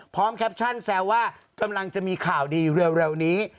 แคปชั่นแซวว่ากำลังจะมีข่าวดีเร็วนี้